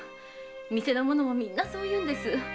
店の者も皆そう言うんです。